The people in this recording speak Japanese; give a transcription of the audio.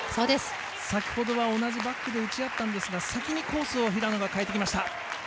先ほどは同じバックで打ち合ったんですが、先に平野がコースを変えてきました。